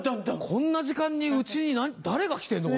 こんな時間にうちに誰が来てんの？